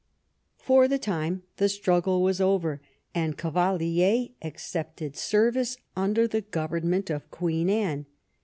For the time the struggle was over, and Cavalier accepted service imder the government of Queen Anne.